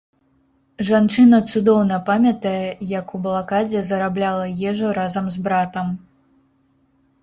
Жанчына цудоўна памятае, як у блакадзе зарабляла ежу разам з братам.